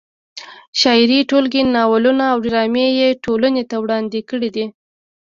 شعري ټولګې، ناولونه او ډرامې یې ټولنې ته وړاندې کړې دي.